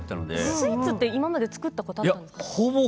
スイーツは今まで作ったことあったんですか。